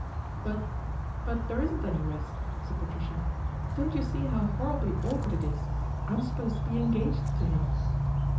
" But but there isn't any rest," said Patricia. " Don't you see how horribly awkward it is ? I'm supposed to be engaged to him."